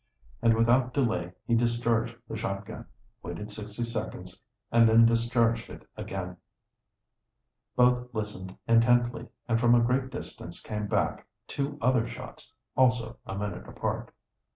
And without delay he discharged the shotgun, waited sixty seconds, and then discharged it again. Both listened intently, and from a great distance came back two other shots, also a minute apart.